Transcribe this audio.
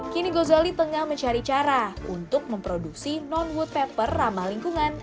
kini gozali tengah mencari cara untuk memproduksi non wood pepper ramah lingkungan